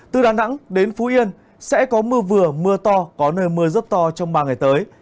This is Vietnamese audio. từ đà nẵng đến phú yên sẽ có mưa vừa mưa to có nơi mưa rất to trong ba ngày tới